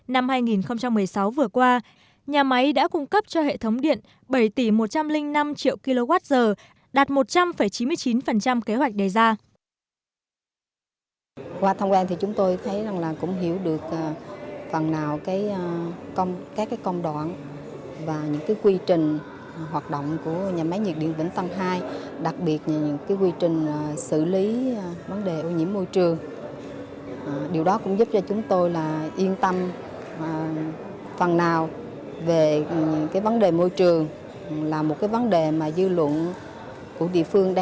năm hai nghìn một mươi sáu vừa qua nhà máy đã cung cấp cho hệ thống điện bảy một trăm linh năm triệu kwh đạt một trăm linh chín mươi chín kế hoạch đề ra